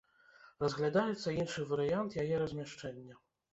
Разглядаецца іншы варыянт яе размяшчэння.